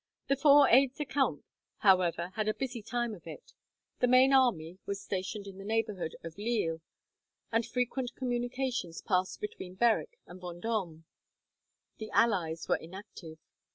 The four aides de camp, however, had a busy time of it. The main army was stationed in the neighbourhood of Lille, and frequent communications passed between Berwick and Vendome. The allies were inactive.